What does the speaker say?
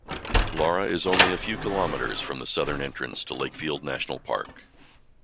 Laura is only a few kilometres from the southern entrance to Lakefield National Park.